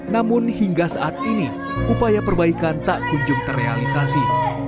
namun hingga saat ini upaya perbaikan tak kunjung terrealisasi